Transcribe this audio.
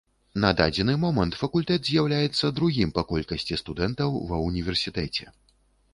На дадзены момант факультэт з'яўляецца другім па колькасці студэнтаў ва ўніверсітэце.